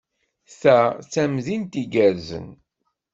Ta d tamdint igerrzen.